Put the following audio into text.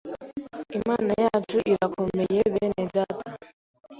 ” Imana yacu irakomeye bene Data!